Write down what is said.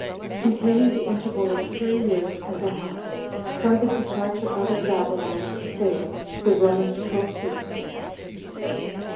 Containing The Interval Of Three Years And A Half.From The Departure Out Of Babylon To Fadus, The Roman Procurator.